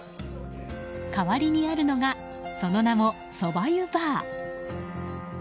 代わりにあるのがその名もそば湯バー。